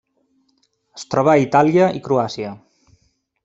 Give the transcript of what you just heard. Es troba a Itàlia i Croàcia.